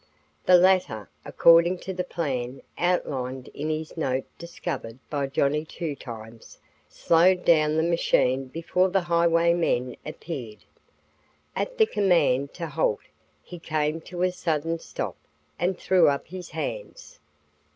The latter, according to the plan outlined in his note discovered by "Johnny Two Times," slowed down the machine before the highwaymen appeared. At the command to halt he came to a sudden stop and threw up his hands.